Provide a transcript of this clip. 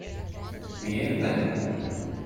Miért ne?